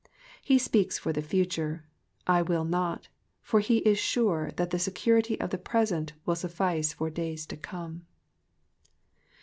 He spcHks for the future, I will not/^ for he is sure that the security of the present will suffice for days to come.